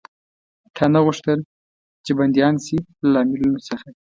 تا نه غوښتل، چې بندیان شي؟ له لاملونو څخه.